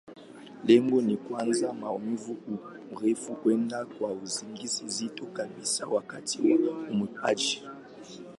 Lengo ni kuondoa maumivu, au kufanya kwenda kwenye usingizi mzito kabisa wakati wa upasuaji.